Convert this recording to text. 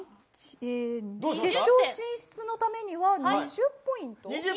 月１０が決勝進出のためには２０ポイント。